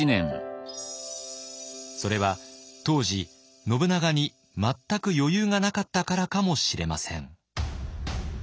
それは当時信長に全く余裕がなかったからかもしれません。